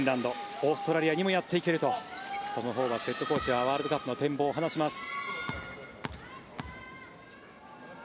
オーストラリアにもやっていけるとこのホーバスヘッドコーチはワールドカップの展望を話します。